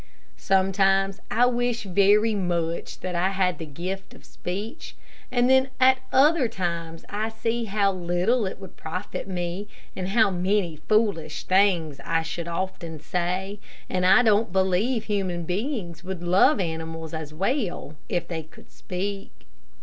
Sometimes I wish very much that I had the gift of speech, and then at other times I see how little it would profit me, and how many foolish things I should often say. And I don't believe human beings would love animals as well, if they could speak.